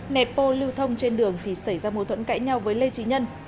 nẹp bô lưu thông trên đường thì xảy ra mối thuẫn cãi nhau với lê trí nhân